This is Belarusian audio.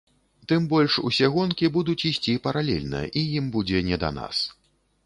Тым больш, усе гонкі будуць ісці паралельна, і ім будзе не да нас.